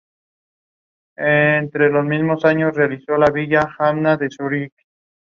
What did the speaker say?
Portal de la Mancomunidad Valle del Alagón